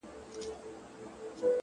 • د جنون غرغړې مړاوي زولانه هغسي نه ده ,